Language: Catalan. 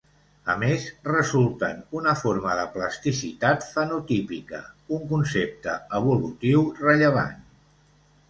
A més, resulten una forma de plasticitat fenotípica, un concepte evolutiu rellevant.